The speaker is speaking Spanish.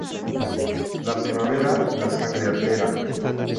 La primavera la sangre altera